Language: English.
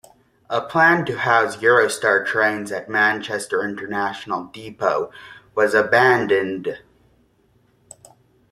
A plan to house Eurostar trains at Manchester International Depot was abandoned.